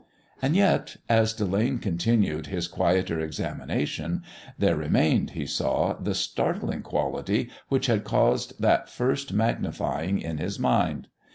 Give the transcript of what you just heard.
And yet, as Delane continued his quieter examination, there remained, he saw, the startling quality which had caused that first magnifying in his mind.